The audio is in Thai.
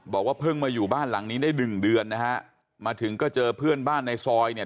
บอกว่าเพิ่งมาอยู่บ้านหลังนี้ได้หนึ่งเดือนนะฮะมาถึงก็เจอเพื่อนบ้านในซอยเนี่ย